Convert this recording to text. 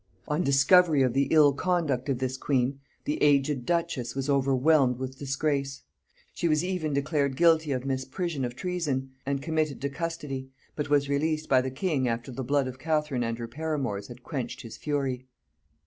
On discovery of the ill conduct of this queen, the aged duchess was overwhelmed with disgrace; she was even declared guilty of misprision of treason, and committed to custody, but was released by the king after the blood of Catherine and her paramours had quenched his fury.